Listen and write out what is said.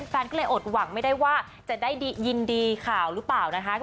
แฟนก็เลยอดหวังไม่ได้ว่าจะได้ยินดีข่าวหรือเปล่านะคะ